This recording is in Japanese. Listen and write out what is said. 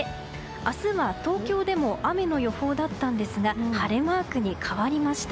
明日は東京でも雨の予報だったんですが晴れマークに変わりました。